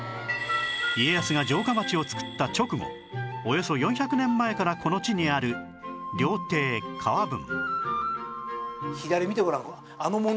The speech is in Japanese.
家康が城下町を作った直後およそ４００年前からこの地にある料亭河文